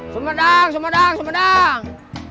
semedang semedang semedang